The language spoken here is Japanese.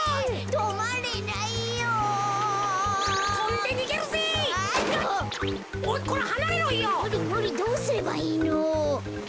どうすればいいの？